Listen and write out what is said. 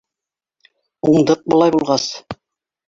— Уңдыҡ былай булғас.